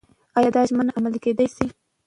ایا دا ژمنه عملي کېدای شي؟